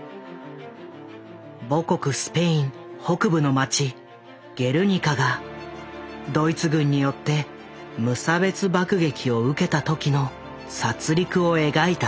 母国スペイン北部の街ゲルニカがドイツ軍によって無差別爆撃を受けた時の殺りくを描いた大作だ。